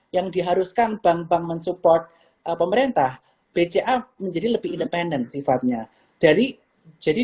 yang diharuskan bank bank mensupport pemerintah bca menjadi lebih independen sifatnya dari jadi